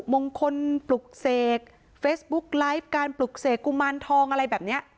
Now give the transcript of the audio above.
มงคลปลุกเสกเฟซบุ๊กไลฟ์การปลุกเสกกุมารทองอะไรแบบนี้